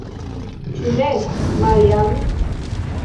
Ĉu ne, Maria-Ann?